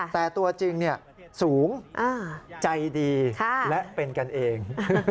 แต่ตัวจริงสูงใจดีและเป็นกันเอง